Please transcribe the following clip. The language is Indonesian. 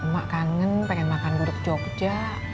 mak kangen pengen makan guruk jogja